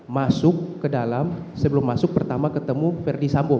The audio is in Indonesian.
masuk ke dalam sebelum masuk pertama ketemu verdi sambo